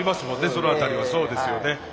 その辺りはそうですよね。